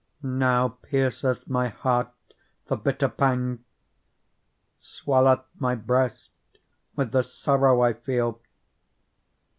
Now pierceth my heart the bitter pang, Swelleth my breast with the sorrow I feel